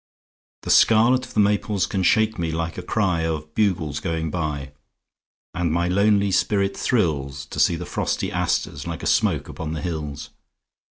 The scarlet of the maples can shake me like a cryOf bugles going by. And my lonely spirit thrillsTo see the frosty asters like a smoke upon the hills.